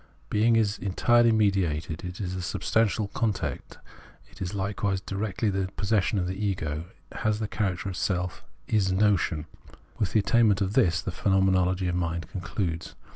Being is entirely mediated ; it is a substantial content, that is hkewise directly in the possession of the ego, has the character of self, is notion. With the attainment of this the Phenomenology of Mind concludes.